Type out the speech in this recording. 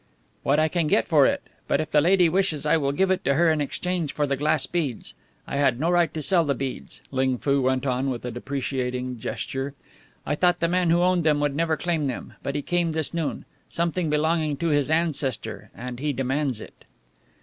"What I can get for it. But if the lady wishes I will give it to her in exchange for the glass beads. I had no right to sell the beads," Ling Foo went on with a deprecating gesture. "I thought the man who owned them would never claim them. But he came this noon. Something belonging to his ancestor and he demands it."